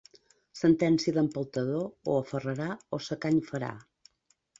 Sentència d'empeltador o aferrarà o secany farà.